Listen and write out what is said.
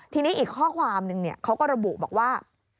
ทีนี้อีกข้อความนึงเขาก็ระบุบอกว่า